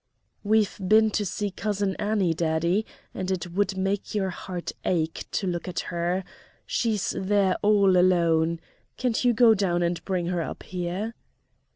"We've been to see Cousin Annie, daddy; and it would make your heart ache to look at her! She's there all alone. Can't you go down and bring her up here?"